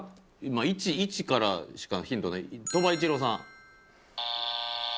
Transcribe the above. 一からしかヒントない、鳥羽一郎さん。